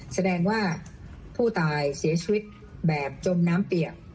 แสดงว่าผู้ตายเสียชีวิตแบบจมน้ำเปียก